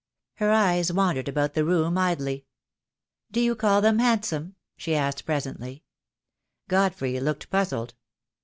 Her eyes wandered about the room idly. "Do you call them handsome?" she asked presently. 44 THE DAY WILL COME. Godfrey looked puzzled.